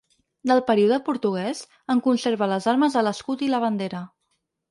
Del període portuguès, en conserva les armes a l’escut i la bandera.